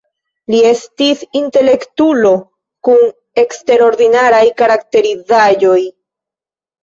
Li estis intelektulo kun eksterordinaraj karakterizaĵoj.